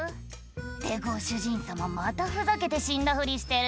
「ってご主人様またふざけて死んだふりしてるよ」